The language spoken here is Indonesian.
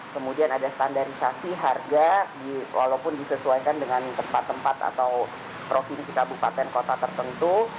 kemudian ada standarisasi harga walaupun disesuaikan dengan tempat tempat atau provinsi kabupaten kota tertentu